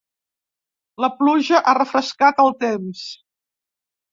La pluja ha refrescat el temps.